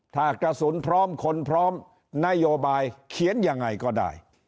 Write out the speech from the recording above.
ถ้ากระสุนพร้อมคนพร้อมนโยบายเขียนยังไงก็ได้